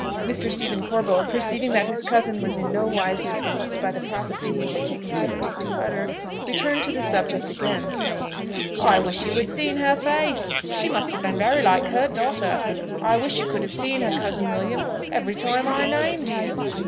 Mr. Stephen Corbold, perceiving that his cousin was in nowise displeased by the prophecy he had taken the liberty to utter, returned to the subject again, saying, "I wish you had seen her face, she must have been very like her daughter, I wish you could have seen her, cousin William, every time I named you!"